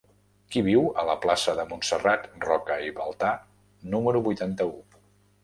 Qui viu a la plaça de Montserrat Roca i Baltà número vuitanta-u?